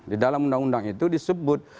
di dalam undang undang itu disebut